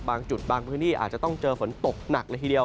บางจุดบางพื้นที่อาจจะต้องเจอฝนตกหนักเลยทีเดียว